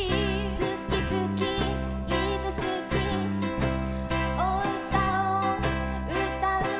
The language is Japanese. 「すきすきいぶすき」「おうたをうたうことがすき」